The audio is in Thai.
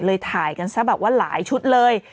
ถ่ายกันซะแบบว่าหลายชุดเลย